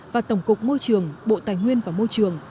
và tổng cục môi trường bộ tài nguyên và môi trường